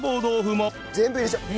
全部入れちゃおう。